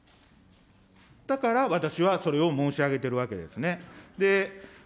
だから、私はそれを申し上げてるわけですね。